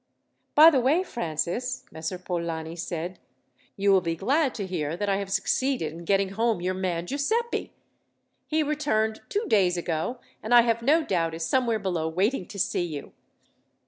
"By the way, Francis," Messer Polani said, "you will be glad to hear that I have succeeded in getting home your man Giuseppi. He returned two days ago, and I have no doubt is somewhere below waiting to see you."